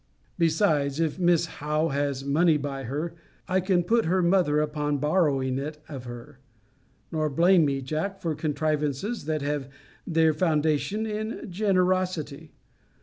Besides, if Miss Howe has money by her, I can put her mother upon borrowing it of her: nor blame me, Jack, for contrivances that have their foundation in generosity.